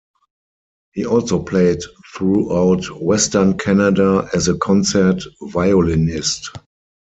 He also played throughout Western Canada as a concert violinist.